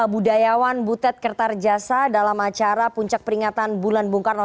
budayawan butet kertarjasa dalam acara puncak peringatan bulan bung karno